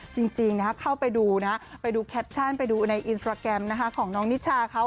จริงเข้าไปดูนะไปดูแคปชั่นไปดูในอินสตราแกรมของน้องนิชาเขา